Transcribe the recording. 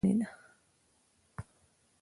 اوبه د وطن شتمني ده.